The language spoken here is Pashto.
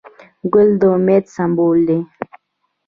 ګل د امید سمبول دی.